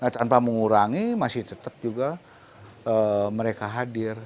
tanpa mengurangi masih tetap juga mereka hadir